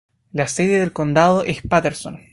La sede del condado es Paterson.